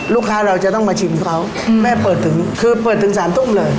เราจะต้องมาชิมเขาแม่เปิดถึงคือเปิดถึงสามทุ่มเลย